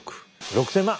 ６，０００万？